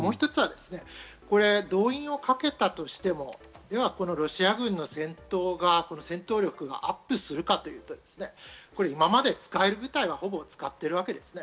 もう一つは、動員をかけたとしても、ロシア軍の戦闘力がアップするかというと今まで使える部隊はほぼ使っているわけです。